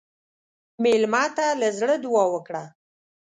مېلمه ته له زړه دعا وکړه.